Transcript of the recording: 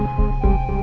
relatorium dan akunya